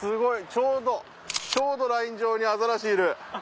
ちょうどライン上にアザラシいる。